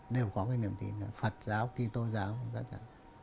đều có cái niềm tin là phật giáo kỳ tô giáo các giả